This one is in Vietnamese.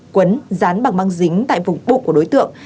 quấn dán bằng mang dính tại vùng bụng của đối tượng